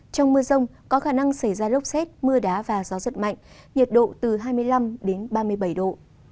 trong mưa rông có khả năng xảy ra lốc xét mưa đá và gió giật mạnh nhiệt độ từ hai mươi năm đến ba mươi bảy độ